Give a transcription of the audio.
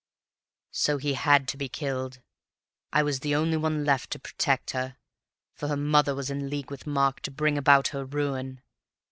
"So he had to be killed. I was the only one left to protect her, for her mother was in league with Mark to bring about her ruin.